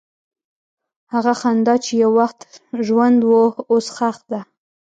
هغه خندا چې یو وخت ژوند وه، اوس ښخ ده.